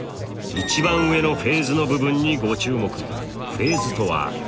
一番上のフェーズの部分にご注目。